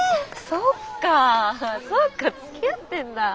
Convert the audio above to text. そっかつきあってんだ。